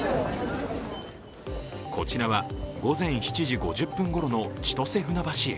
こちらは、午前７時５０分ごろの、千歳船橋駅。